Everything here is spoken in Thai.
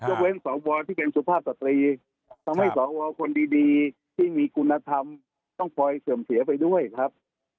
เว้นสวที่เป็นสุภาพสตรีทำให้สวคนดีที่มีคุณธรรมต้องคอยเสื่อมเสียไปด้วยครับ